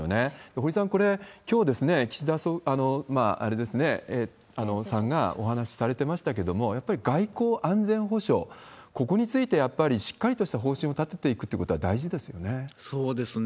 堀さん、これ、きょう岸田さんがお話しされてましたけれども、やっぱり外交安全保障、ここについてやっぱりしっかりとした方針を立てていくということそうですね。